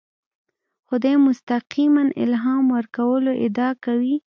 خدای مستقیماً الهام ورکولو ادعا کوي.